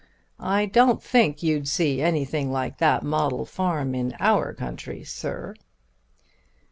I don't think you'd see anything like that model farm in our country, Sir."